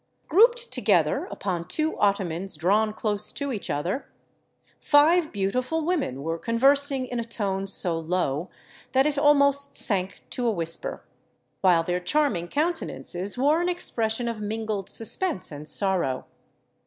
Grouped together upon two ottomans drawn close to each other, five beautiful women were conversing in a tone so low that it almost sank to a whisper; while their charming countenances wore an expression of mingled suspense and sorrow.